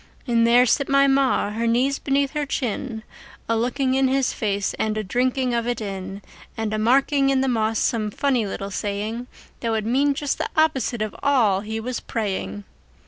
And there sit my Ma, her knees beneath her chin, A looking in his face and a drinking of it in, And a marking in the moss some funny little saying That would mean just the opposite of all he was praying!